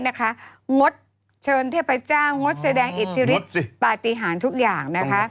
งดเชิญเทพเจ้างดแสดงอิทธิฤทธิ์ปฏิหารทุกอย่างนะคะ